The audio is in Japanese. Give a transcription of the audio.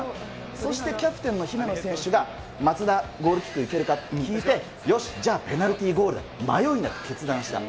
そしてキャプテンの姫野選手が、松田、ゴールキックいけるかって、よし、じゃあ、ペナルティーゴールだって、迷いなく決断した。